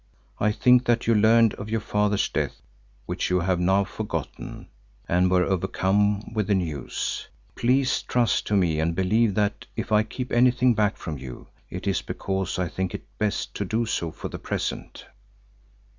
I think that you learned of your father's death, which you have now forgotten, and were overcome with the news. Please trust to me and believe that if I keep anything back from you, it is because I think it best to do so for the present."